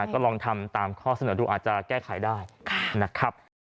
ก็ลองทำตามข้อเสนอดูอาจจะแก้ไขได้นะครับ